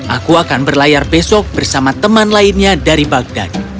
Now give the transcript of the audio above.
aku akan berlayar besok bersama teman lainnya dari bagdad